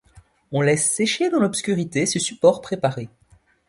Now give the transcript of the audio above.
On laisse sécher dans l'obscurité ce support préparé.